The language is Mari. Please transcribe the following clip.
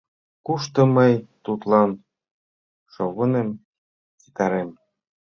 Кушто мый тудлан шовыным ситарем?